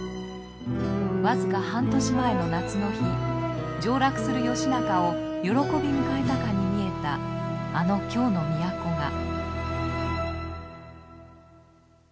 僅か半年前の夏の日上洛する義仲を喜び迎えたかに見えたあの京の都が。